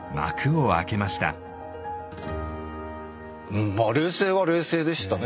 うんまあ冷静は冷静でしたね